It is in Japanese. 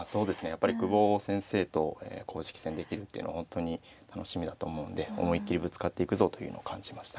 やっぱり久保先生と公式戦できるっていうのは本当に楽しみだと思うんで思い切りぶつかっていくぞというのを感じましたね。